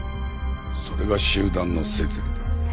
それが集団の摂理だ。